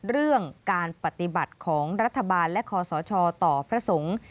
เรื่องการปฏิบัติของรัฐบาลและคอสชต่อพระสงฆ์